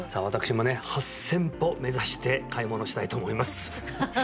私もね８０００歩目指して買い物したいと思います